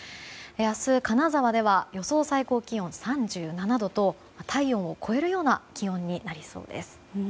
明日、金沢では予想最高気温３７度と体温を超えるような気温になりそうです。